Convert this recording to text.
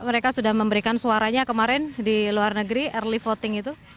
mereka sudah memberikan suaranya kemarin di luar negeri early voting itu